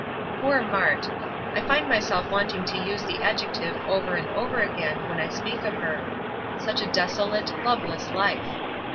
Poor Mart! I find myself wanting to use the adjective over and over again when I speak of her. Such a desolate, loveless life!